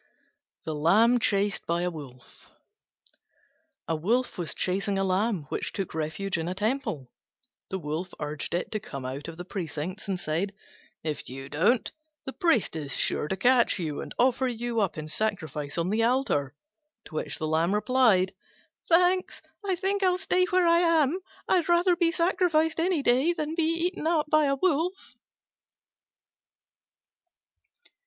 THE LAMB CHASED BY A WOLF A Wolf was chasing a Lamb, which took refuge in a temple. The Wolf urged it to come out of the precincts, and said, "If you don't, the priest is sure to catch you and offer you up in sacrifice on the altar." To which the Lamb replied, "Thanks, I think I'll stay where I am: I'd rather be sacrificed any day than be eaten up by a Wolf."